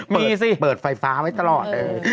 ไม่มีสิเปิดไฟฟ้าไว้ตลอด